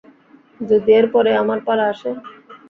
যদি এরপরে আমার পালা আসে?